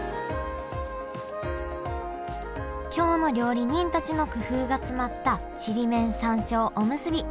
京の料理人たちの工夫が詰まったちりめん山椒おむすび。